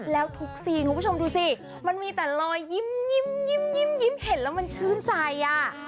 แล้วทุกซีนคุณผู้ชมดูสิมันมีแต่รอยยิ้มเห็นแล้วมันชื่นใจอ่ะ